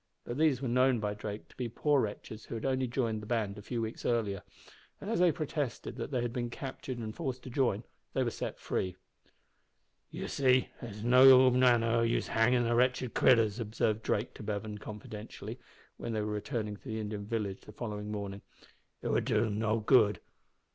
But these were known by Drake to be poor wretches who had only joined the band a few weeks before, and as they protested that they had been captured and forced to join, they were set free. "You see, it's of no manner o' use hangin' the wretched critters," observed Drake to Bevan, confidentially, when they were returning to the Indian village the following morning. "It would do them no good.